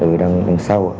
ừ đông đông sau